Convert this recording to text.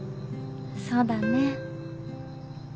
そうだね。